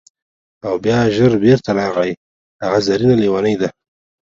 او بیا ژر بیرته راغی: هغه زرینه لیونۍ ده!